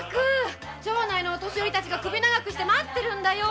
町内のお年寄りが首長くして待ってるんだよ。